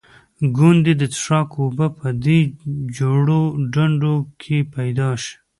ګوندې د څښاک اوبه په دې جوړو ډنډوکو کې پیدا شي.